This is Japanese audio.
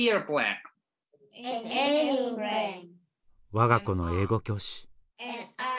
我が子の英語教師。